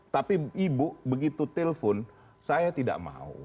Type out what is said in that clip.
tapi ibu begitu telpon saya tidak mau